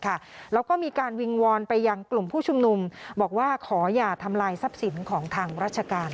แล้วก็มีการวิงวอนไปยังกลุ่มผู้ชุมนุมบอกว่าขออย่าทำลายทรัพย์สินของทางราชการ